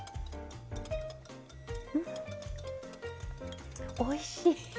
うんおいしい。